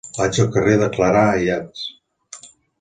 Vaig al carrer de Clarà Ayats.